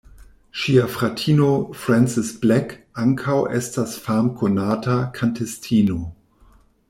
Ŝia fratino Frances Black ankaŭ estas famkonata kantistino.